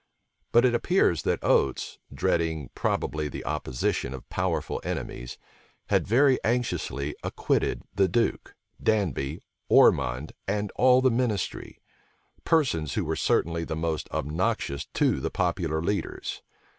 But it appears that Oates, dreading probably the opposition of powerful enemies, had very anxiously acquitted the duke, Danby, Ormond, and all the ministry; persons who were certainly the most obnoxious to the popular leaders.